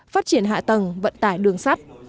phát triển hạ tầng vận tải đường sắt